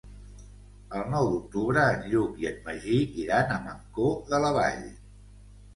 El nou d'octubre en Lluc i en Magí iran a Mancor de la Vall.